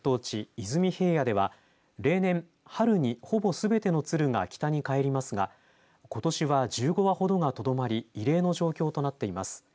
出水平野では例年、春にほぼすべての鶴が北に帰りますがことしは１５羽ほどがとどまり異例の状況となっています。